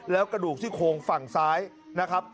แล้วกระดูกซี่โครงฝั่งซ้ายนะครับ